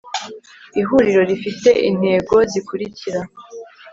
ihuriro rifite intego zikurikira